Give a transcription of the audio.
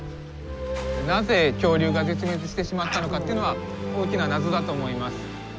なぜ恐竜が絶滅してしまったのかというのは大きな謎だと思います。